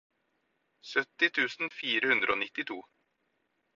sytti tusen fire hundre og nittito